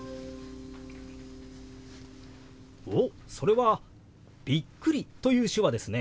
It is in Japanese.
おっそれは「びっくり」という手話ですね。